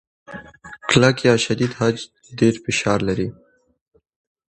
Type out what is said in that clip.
کلک یا شدید خج ډېر فشار لري.